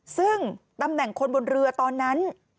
ซึ่งตำแหน่งคนบนเรือตอนนั้น